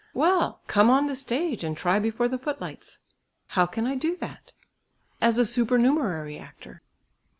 "Well! come on the stage, and try before the footlights." "How can I do that?" "As a supernumerary actor."